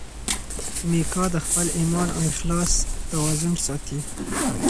میکا د خپل ایمان او اخلاص توازن ساتي.